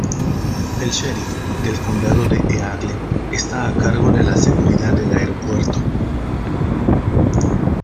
El Sheriff del Condado de Eagle está a cargo de la seguridad del aeropuerto.